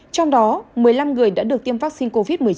trong đó một mươi năm người đã được tiêm vaccine covid một mươi chín